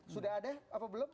sudah ada apa belum